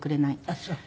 あっそう。